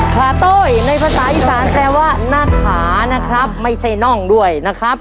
ขาโต้ยในภาษาอีสานแปลว่าหน้าขานะครับไม่ใช่น่องด้วยนะครับ